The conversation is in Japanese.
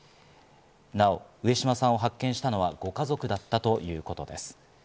なお上島さんを発見したのはご家族だったということです。